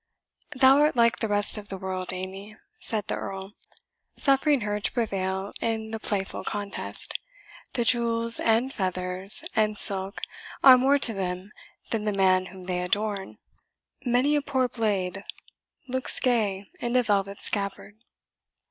"Thou art like the rest of the world, Amy," said the Earl, suffering her to prevail in the playful contest; "the jewels, and feathers, and silk are more to them than the man whom they adorn many a poor blade looks gay in a velvet scabbard."